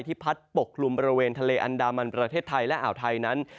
พัดปกกลุ่มบริเวณทะเลอันดามันประเทศไทยและอ่าวไทยนั้น